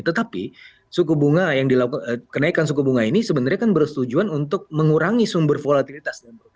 tetapi suku bunga kenaikan suku bunga ini sebenarnya kan bersetujuan untuk mengurangi sumber volatilitas